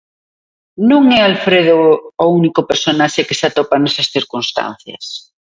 Non é Alfredo o único personaxe que se atopa nesas circunstancias.